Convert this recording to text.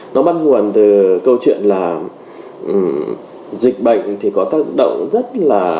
nó bắt nguồn từ câu chuyện là dịch bệnh thì có tác động rất là